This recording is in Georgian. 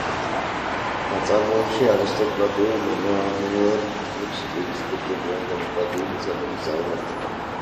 ნაწარმოებში არისტოკრატიულ–მემამულურ ფენებს უპირისპირდებიან დემოკრატიული ძალების წარმომადგენლები.